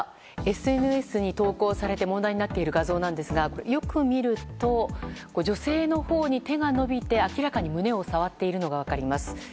ＳＮＳに投稿されて問題になっている画像なんですがよく見ると女性のほうに手が伸びて明らかに胸を触っているのが分かります。